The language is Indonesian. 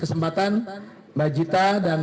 kesempatan mbak jita dan